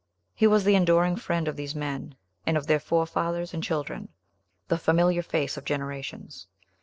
He was the enduring friend of these men, and of their forefathers and children, the familiar face of generations.